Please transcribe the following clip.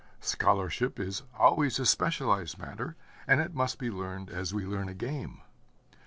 Scholarship is always a specialized matter, and it must be learned as we learn a game.